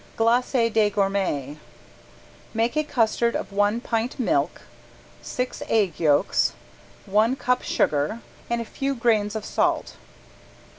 ~GLACE DES GOURMETS~ Make a custard of one pint milk, six egg yolks, one cup sugar and a few grains of salt.